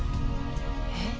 え？